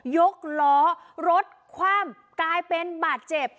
ยกล้อรถคว่ำกลายเป็นบาดเจ็บ